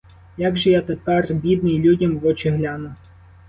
Як же я тепер, бідний, людям в очі гляну?